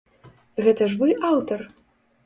Гэта ж вы аўтар?